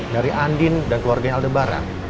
dari andin dan keluarganya aldebar